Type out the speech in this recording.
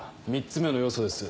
３つ目の要素です